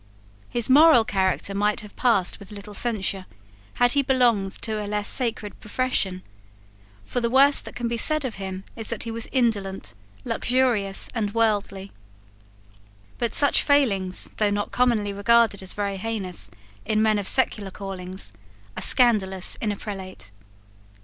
His moral character might have passed with little censure had he belonged to a less sacred profession; for the worst that can be said of him is that he was indolent, luxurious, and worldly: but such failings, though not commonly regarded as very heinous in men of secular callings, are scandalous in a prelate.